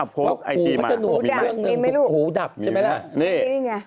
โพสต์ไอจีมามีไหมหูดับใช่ไหมล่ะนี่นะ